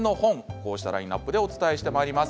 こうしたラインナップでお伝えしてまいります。